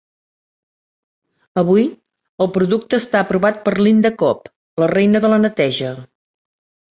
Avui, el producte està aprovat per Linda Cobb, la Reina de la neteja.